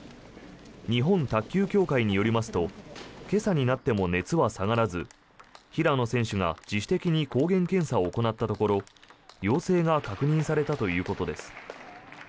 日本卓球協会によりますと今朝になっても熱は下がらず平野選手が自主的に抗原検査を行ったところ陽性が確認されたということです。